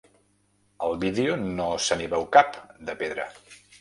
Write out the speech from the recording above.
Al vídeo no se n’hi veu cap, de pedra.